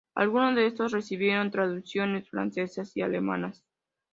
Alguno de estos recibieron traducciones francesas y alemanas.